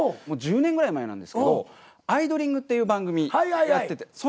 もう１０年ぐらい前なんですけど「アイドリング！！！」っていう番組やってて。